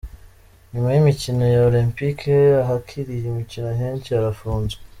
Nyuma y’imikino ya Olempike, ahakiriye imikino henshi harafunzwe